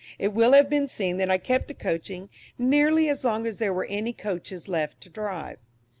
It will have been seen that I kept to coaching nearly as long as there were any coaches left to drive.